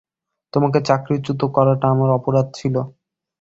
তোমাকে চাকরিচ্যুত করাটা আমার অপরাধ ছিল।